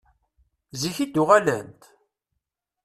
Zik i d-uɣalent?